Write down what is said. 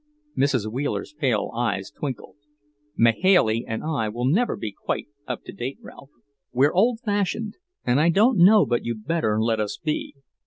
Mrs. Wheeler's pale eyes twinkled. "Mahailey and I will never be quite up to date, Ralph. We're old fashioned, and I don't know but you'd better let us be.